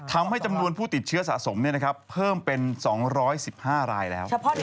ทำให้จำนวนผู้ติดเชื้อสะสมเพิ่มเป็น๒๑๕รายแล้ว